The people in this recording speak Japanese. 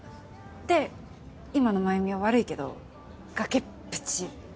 で今の繭美は悪いけど崖っぷち。